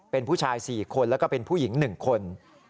เป็นผู้ชาย๔คนแล้วก็เป็นผู้หญิง๑คน